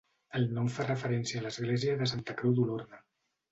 El nom fa referència a l'església de Santa Creu d'Olorda.